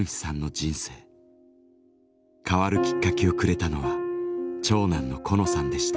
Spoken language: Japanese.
変わるきっかけをくれたのは長男のコノさんでした。